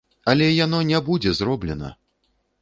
Але яно не будзе зроблена!!!